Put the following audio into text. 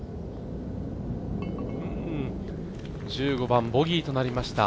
１５番、ボギーとなりました。